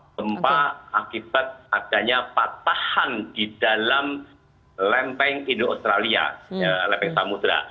gempa akibat adanya patahan di dalam lempeng indo australia lempeng samudera